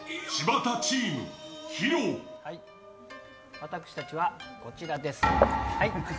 私たちはこちらです。